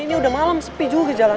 ini udah malem sepi juga jalanan